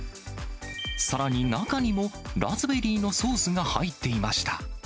さらに中にもラズベリーのソースが入っていました。